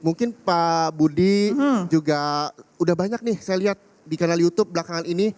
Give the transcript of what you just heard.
mungkin pak budi juga udah banyak nih saya lihat di kanal youtube belakangan ini